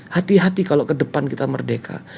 hati hati kalau ke depan kita merdeka